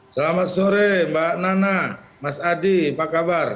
selamat sore mbak nana mas adi apa kabar